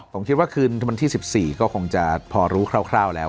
ผมคิดว่าคืนวันที่๑๔ก็คงจะพอรู้คร่าวแล้ว